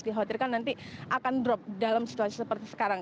dikhawatirkan nanti akan drop dalam situasi seperti sekarang